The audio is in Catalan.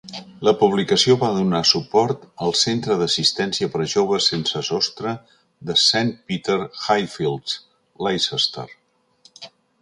La publicació va donar suport al Centre d'assistència per a joves sense sostre de Saint Peter a Highfields, Leicester.